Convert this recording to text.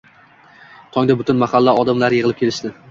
Tongda butun mahalla odamlari yig`ilib kelishdi